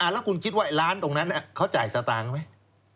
แล้วคุณคิดว่าร้านตรงนั้นเขาจ่ายสตางค์ไหม